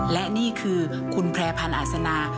และนี่คือคุณแพร่พันธ์อาศนา